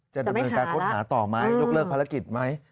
จะดำเนินการค้นหาต่อไหมยกเลิกภารกิจไหม